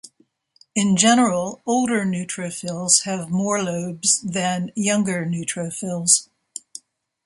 In general, older neutrophils have more lobes than younger neutrophils.